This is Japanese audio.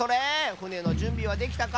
ふねのじゅんびはできたか？